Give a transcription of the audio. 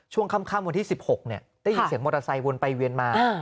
ช่วงค่ำวันที่๑๖ได้ยินเสียงมอเตอร์ไซค์วนไปเวียนมา